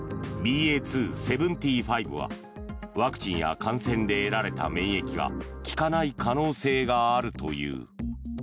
ＢＡ．２．７５はワクチンや感染で得られた免疫が効かない可能性があるという。